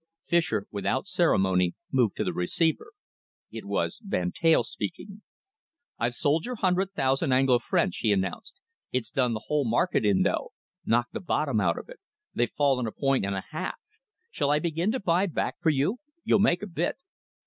Fischer, without ceremony, moved to the receiver. It was Van Teyl speaking. "I've sold your hundred thousand Anglo French," he announced. "It's done the whole market in, though knocked the bottom out of it. They've fallen a point and a half. Shall I begin to buy back for you? You'll make a bit."